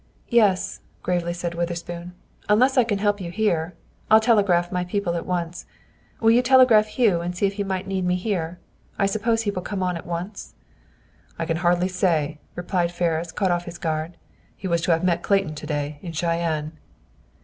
"Yes," gravely said Witherspoon, "unless I can help you here. I'll telegraph my people at once. Will you telegraph Hugh and see if he might need me here? I suppose he will come on at once." "I can hardly say," replied Ferris, caught off his guard. "He was to have met Clayton to day, in Cheyenne!"